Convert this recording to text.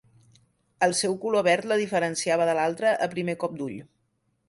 El seu color verd la diferenciava de l'altra a primer cop d'ull.